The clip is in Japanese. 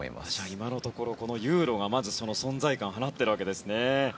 今のところユーロがまず存在感を放っているわけですね。